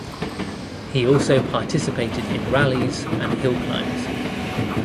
He also participated in rallies and hill-climbs.